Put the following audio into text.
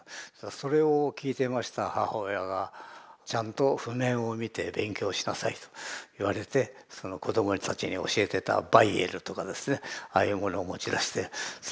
それを聴いていました母親が「ちゃんと譜面を見て勉強しなさい」と言われてその子供たちに教えてたバイエルとかですねああいうものを持ち出してさあ